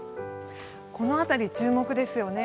この辺り、注目ですよね。